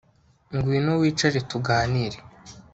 ngwino wicare tuganire